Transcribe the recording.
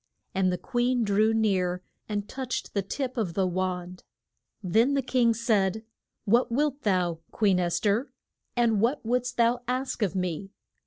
And the queen drew near, and touched the tip of the wand. Then the king said, What wilt thou, Queen Es ther? and what wouldst thou ask of me?